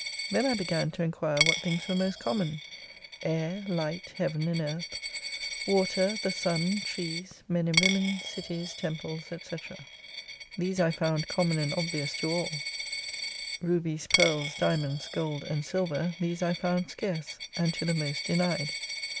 Then I began to enquire what things were most common : Air, Light, Heaven and Earth, Water, the Sun, Trees, Men and Women, Cities, Temples, &c. These I found common and obvious to all : Rubies, Pearls, Diamonds, Gold and Silver ; these I found scarce, and to the most denied.